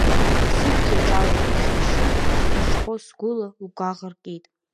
Сышәҭ иаҿалан ихьҭашьит, сзырҽхәоз сгәыла лгәаӷ ркит.